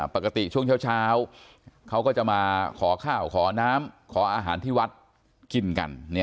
ปกติช่วงเช้าเขาก็จะมาขอข้าวขอน้ำขออาหารที่วัดกินกัน